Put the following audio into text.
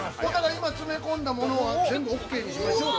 今、詰め込んだものを、全部オーケーにしましょうと。